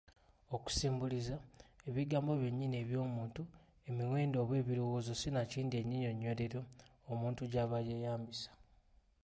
Okusimbuliza, ebigambo byennyini eby’omuntu, emiwendo oba ebirowoozo sinakindi ennyinnyonnyolero omutu gy'aba yeeyambisa.